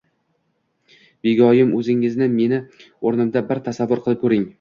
Begoyim, o`zingizni meni o`rnimda bir tasavvur qilib ko`ring